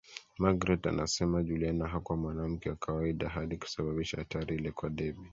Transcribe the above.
Magreth anasema Juliana hakuwa mwanamke wa kawaida hadi kusababisha hatari ile kwa Debby